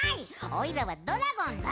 おいらはドラゴンだ！